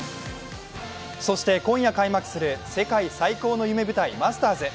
今夜開幕する世界最高の夢舞台マスターズ。